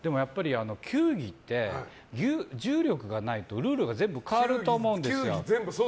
球技って重力がないとルールが全部変わると思うんですよ。